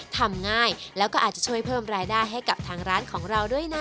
ทำง่ายแล้วก็อาจจะช่วยเพิ่มรายได้ให้กับทางร้านของเราด้วยนะ